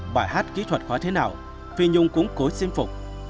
bài hát kỹ thuật khóa thế nào phi nhung cũng cố chiêm phục